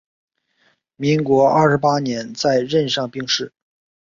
民国二十八年在任上病逝。